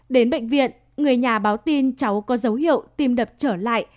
đến bệnh viện người nhà báo tin cháu có dấu hiệu tìm đập trở lại